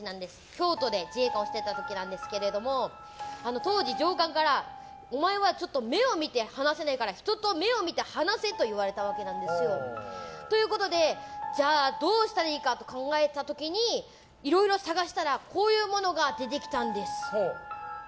京都で自衛官をしてた時なんですけど当時、上官からお前は目を見て話せないから人と目を見て話せと言われたわけなんですよ。ということでじゃあどうしたらいいかと考えた時にいろいろ探したらこういうものが出てきたんです。